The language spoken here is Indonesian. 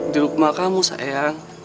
di rumah kamu sayang